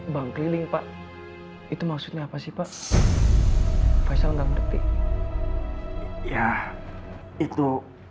bangkeliling pak itu maksudnya apa sih pak faisal nggak ngerti ya itu